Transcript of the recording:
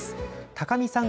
高見さん